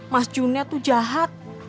mas junet tuh jahat